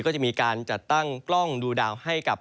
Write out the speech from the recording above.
ก็จะมีการจัดตั้งกล้องดูดาวให้กับ